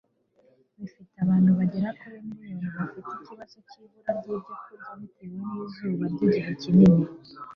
bifite abantu bagera kuri miliyoni bafite ikibazo cy' ibura ry' ibyo kurya bitewe n' izuba ry' igihe kinini